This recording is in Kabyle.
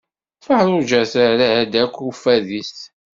Feṛṛuǧa tarra-d ak uffad-is.